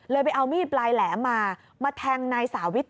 ไปเอามีดปลายแหลมมามาแทงนายสาวิท